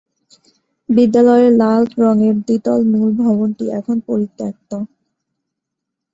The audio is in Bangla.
বিদ্যালয়ের লাল রঙের দ্বিতল মূল ভবনটি এখন পরিত্যক্ত।